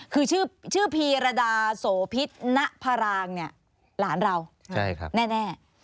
คือชื่อชื่อพีรดาโสพิษณพรางเนี่ยหลานเราใช่ครับแน่แน่